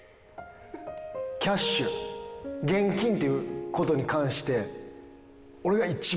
キャッシュ現金っていう事に関して。